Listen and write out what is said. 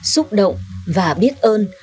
xúc động và biết ơn